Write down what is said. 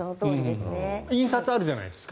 印刷あるじゃないですか。